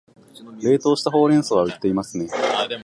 冷凍したほうれん草は売っていますね